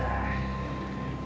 ya ini untuk